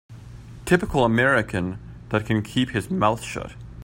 Typical American that can keep his mouth shut.